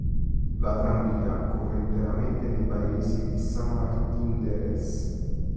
La tranvia corre interamente nei paesi di Saint-Martin-d'Hères.